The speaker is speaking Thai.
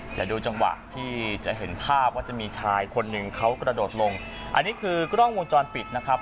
เดี๋ยวดูจังหวะที่จะเห็นภาพว่าจะมีชายคนหนึ่งเขากระโดดลงอันนี้คือกล้องวงจรปิดนะครับ